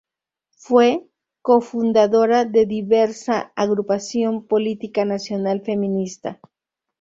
Fue Co-fundadora de Diversa Agrupación Política Nacional Feminista.